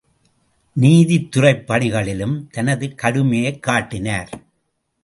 நீதித்துறைப் பணிகளிலும் தனது கடுமையைக் காட்டினார்.